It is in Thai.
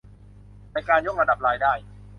ในการยกระดับรายได้